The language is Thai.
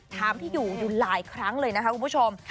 ถามที่อยู่อยู่หลายครั้งเลยนะคะคุณผู้ชม